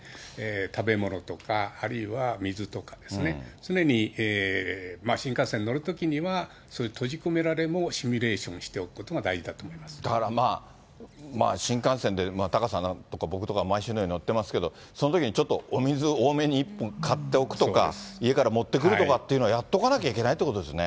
食べ物とか、あるいは水とかですね、常に新幹線乗るときには、閉じ込められのシミュレーションをしておくことが大事だと思いまだからまあ、新幹線で、タカさんとか僕とか毎週のように乗ってますけど、そのときにちょっとお水多めに１本買っておくとか、家から持ってくるとかっていうのは、やっとかなきゃいけないってことですね。